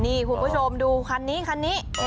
นี่คุณผู้ชมดูคันนี้เห็นไหม